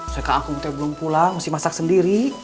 soalnya kak akung teh belum pulang mesti masak sendiri